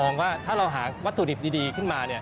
ว่าถ้าเราหาวัตถุดิบดีขึ้นมา